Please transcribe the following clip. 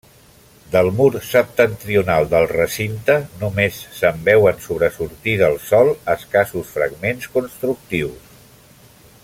Del mur septentrional del recinte, només se'n veuen sobresortir del sòl escassos fragments constructius.